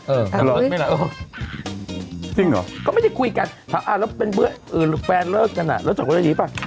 เออเออจริงเหรอก็ไม่ได้คุยกันถ้าเราเป็นเพื่อนหรือแฟนเลิกกันอ่ะเราจบกันได้ดีป่ะ